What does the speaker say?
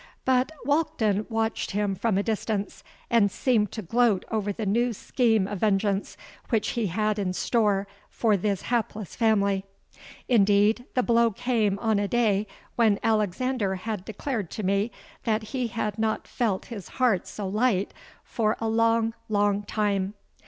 But Walkden watched him from a distance, and seemed to gloat over the new scheme of vengeance which he had in store for this hapless family. Indeed, the blow came on a day when Alexander had declared to me that he had not felt his heart so light for a long, long time.